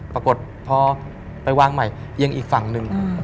ปรากฏพอไปวางใหม่เอียงอีกฝั่งหนึ่ง